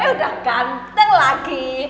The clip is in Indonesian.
udah ganteng lagi